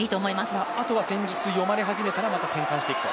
あとは戦術、読まれ始めたらまた転換していくと。